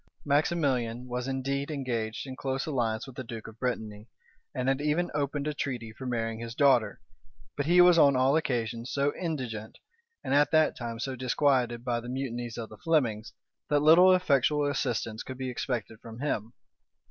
Maximilian was indeed engaged in close alliance with the duke of Brittany and had even opened a treaty for marrying his daughter; but he was on all occasions so indigent, and at that time so disquieted by the mutinies of the Flemings, that little effectual assistance could be expected from him.